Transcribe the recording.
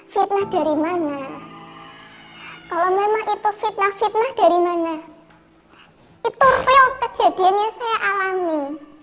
fitnah dari mana kalau memang itu fitnah fitnah dari mana itu flow kejadian yang saya alami